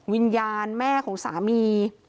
วิญญาณแม่ของสามี